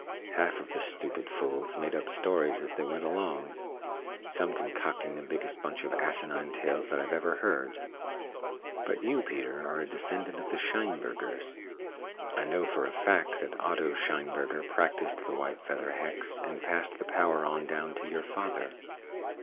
Half of the stupid fools made up stories as they went along some concocting the biggest bunch of asinine tales that I've ever heard. But you, Peter, are a descendant of the Scheinbergers. I know for a fact that Otto Scheinberger practiced the white feather hex and passed the power on down to your father.